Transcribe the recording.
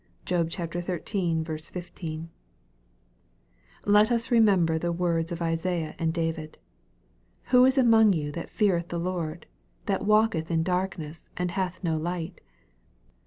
(Job xiii. 15.) Let them remember the words of Isaiah and David, " Who is among you that feareth the Lord that walketh in darkness, and hath no light